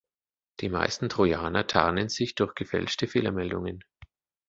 Die meisten Trojaner tarnen sich durch gefälschte Fehlermeldungen.